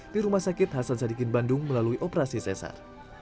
di rumah sakit hasan sadikin bandung melalui operasi sesar